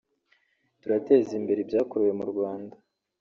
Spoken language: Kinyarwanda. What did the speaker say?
turateza imbere ibyakorewe mu Rwanda